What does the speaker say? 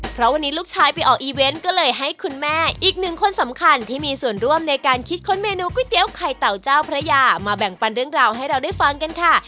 เพราะวันนี้ลูกชายไปออกอีเวนต์ก็เลยให้คุณแม่อีกหนึ่งคนสำคัญที่มีส่วนร่วมในการคิดค้นเมนูก๋วยเตี๋ยวไข่เต่าเจ้าพระยามาแบ่งปันเรื่องราวให้เราได้ฟังกันค่ะ